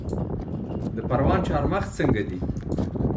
د پروان چارمغز څنګه دي؟